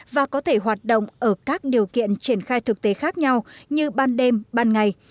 và có thể hoạt động ở các điều kiện triển khai thực tế khác nhau như ban đêm ban ngày